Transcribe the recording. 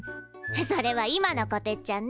それは今のこてっちゃんね。